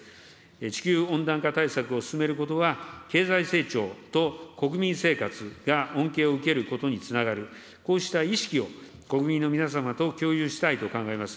地球温暖化対策を進めることは、経済成長と国民生活が恩恵を受けることにつながる、こうした意識を国民の皆様と共有したいと考えます。